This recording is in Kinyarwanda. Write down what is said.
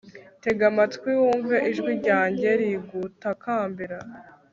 tega amatwi, wumve ijwi ryanjye rigutakambira!